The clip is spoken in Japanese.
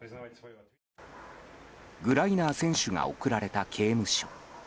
グライナー選手が送られた刑務所。